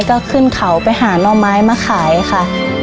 ก็ขึ้นเขาไปหาน่อไม้มาขายค่ะ